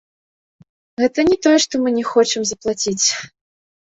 Гэта не тое што мы не хочам заплаціць.